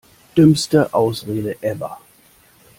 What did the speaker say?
Dümmste Ausrede ever!